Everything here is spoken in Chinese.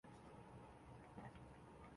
比赛设最佳老棋手。